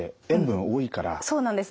そうなんです。